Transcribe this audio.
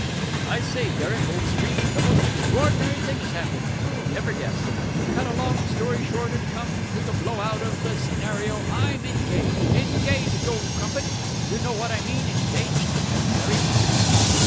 "I say, Derek, old scream, the most extraordinary thing has happened! You'll never guess. To cut a long story short and come to the blow out of the scenario, I'm engaged! Engaged, old crumpet! You know what I mean engaged to be married!"